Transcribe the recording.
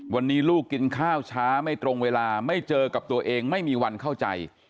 วันนี้ลูกกินข้าวช้าไม่ตรงเวลาไม่เจอกับตัวเองไม่มีวันเข้าใจ